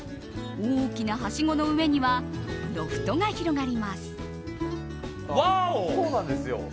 大きなはしごの上にはロフトが広がります。